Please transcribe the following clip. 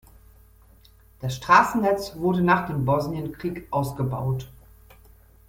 Das Straßennetz wurde nach dem Bosnienkrieg ausgebaut.